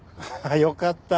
よかった。